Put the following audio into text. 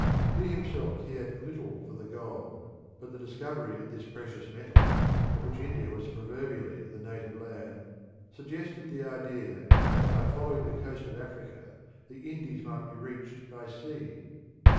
He himself cared little for the gold but the discovery of this precious metal, of which India was proverbially the native land, suggested the idea that by following the coast of Africa the Indies might be reached by sea.